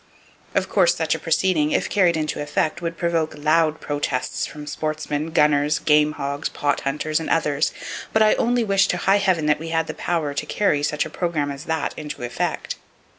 Of course such a proceeding, if carried into effect, would provoke loud protests from sportsmen, gunners, game hogs, pot hunters and others; but I only wish to high heaven that we had the power to carry such a program as that into effect!